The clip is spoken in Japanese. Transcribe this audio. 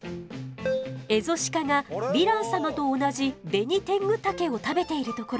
エゾシカがヴィラン様と同じベニテングタケを食べているところよ。